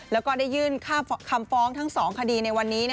แล้วก็ได้ยื่นค่าคำฟ้องทั้ง๒คดีในวันนี้